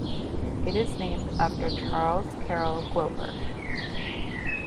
It is named after Charles Carroll Glover.